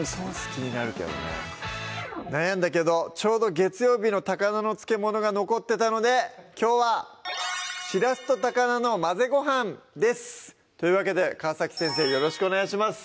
悩んだけどちょうど月曜日の高菜の漬物が残ってたのできょうは「しらすと高菜の混ぜごはん」ですというわけで川先生よろしくお願いします